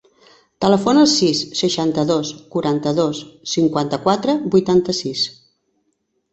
Telefona al sis, seixanta-dos, quaranta-dos, cinquanta-quatre, vuitanta-sis.